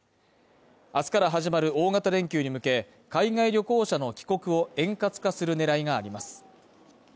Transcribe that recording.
明日から始まる大型連休に向け、海外旅行者の帰国を円滑化する狙いがあります。